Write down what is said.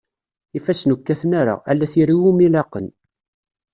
Ifassen ur kkaten ara, ala tira iwumi laqen.